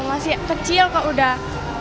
masih kecil kok udah